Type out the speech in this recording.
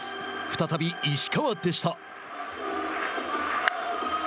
再び石川でした。